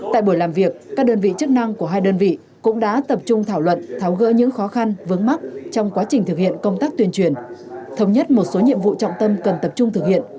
tại buổi làm việc các đơn vị chức năng của hai đơn vị cũng đã tập trung thảo luận tháo gỡ những khó khăn vướng mắt trong quá trình thực hiện công tác tuyên truyền thống nhất một số nhiệm vụ trọng tâm cần tập trung thực hiện